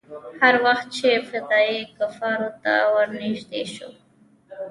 هر وخت چې فدايي کفارو ته ورنژدې سو.